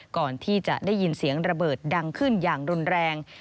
ก่อนที่จะได้ยินเสียงระเบิดดังขึ้นอย่างรุนแรง